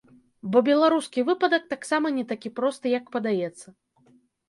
Бо беларускі выпадак таксама не такі просты, як падаецца.